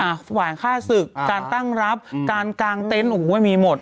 ถวายฆ่าศึกการตั้งรับการกางเต็นต์โอ้โหมีหมด